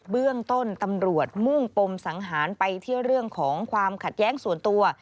เบื้องต้นตำรวจมุ่งปมสังหารไปที่เรื่องของความขัดแย้งส่วนตัว